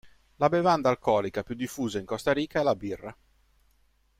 La bevanda alcolica più diffusa in Costa Rica è la birra.